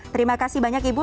terima kasih banyak ibu